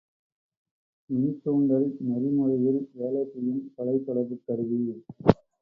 மின்தூண்டல் நெறிமுறையில் வேலை செய்யும் தொலை தொடர்புக் கருவி.